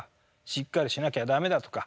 しっかりしなきゃ駄目だ」とか。